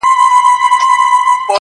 نن دي جهاني لکه پانوس لمبه، لمبه وینم؛